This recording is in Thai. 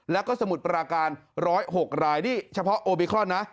แล้วก็สมุทรปราการ๑๐๖รายนี่เฉพาะโอมิครอนนะ